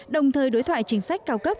đồng thời đối thoại chính sách cao cấp